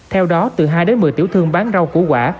theo đó từ hai đến một mươi tiểu thương bán rau củ quả